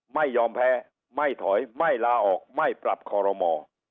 ไม่ยอมแพ้ไม่ถอยไม่ลาออกไม่ปรับคอรมอ